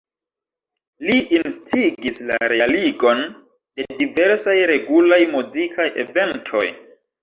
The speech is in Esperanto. Li instigis la realigon de diversaj regulaj muzikaj eventoj.